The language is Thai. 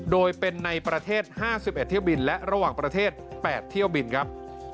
โดยเป็นในประเทศ๕๑เที่ยวบินและระหว่างประเทศ๘เที่ยวบินครับ